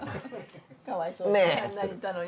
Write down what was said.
かわいそうに。